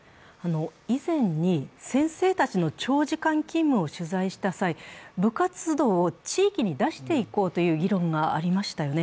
以前に先生たちの長時間勤務を取材した際、部活動を地域に出していこうという議論がありましたよね。